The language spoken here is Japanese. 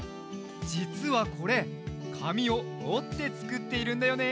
じつはこれかみをおってつくっているんだよね。